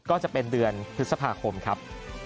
ก็จะเป็นเดือนพฤษภาคมครับ